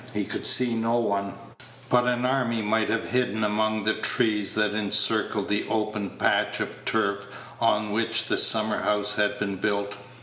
He could see no one; but an army might have hidden among the trees that encircled the open patch of turf on which the summer house had been built.